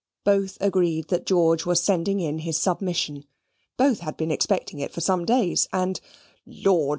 Both agreed that George was sending in his submission. Both had been expecting it for some days and "Lord!